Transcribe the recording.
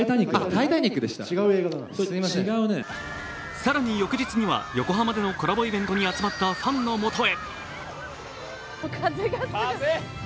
更に翌日には、横浜でのコラボイベントに集まったファンのもとへ。